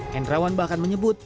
hendrawan bahkan menyebut